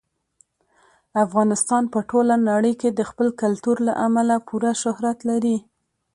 افغانستان په ټوله نړۍ کې د خپل کلتور له امله پوره شهرت لري.